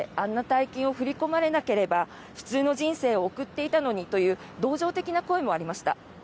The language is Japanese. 大金を振り込まれなければ普通の人生を送っていたのにという同情的な声もありました。